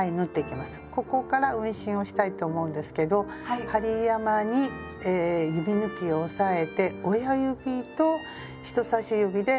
ここから運針をしたいと思うんですけど針山に指ぬきを押さえて親指と人さし指で針を上下に動かしていきます。